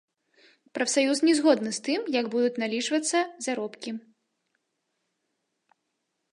Прафсаюз не згодны з тым, як будуць налічвацца заробкі.